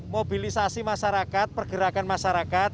mobilisasi masyarakat pergerakan masyarakat